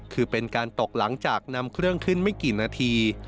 คือเป็นการตกหลังจากนำเครื่องขึ้นไม่กี่นาที